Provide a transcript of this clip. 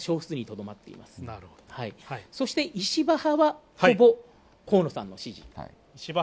そして、石破派は、ほぼ河野さんの支持。